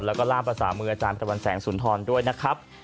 แล้วก็ล่ามภาษามืออาจารย์พระวันแสงสุนทรด้วยนะครับ